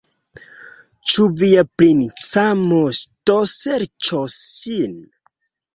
Ĉu via princa moŝto serĉos ŝin?